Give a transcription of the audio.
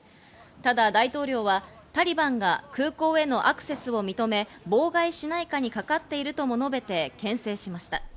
ただ大統領はタリバンが空港へのアクセスを認め、妨害しないかにかかっているとも述べて牽制しました。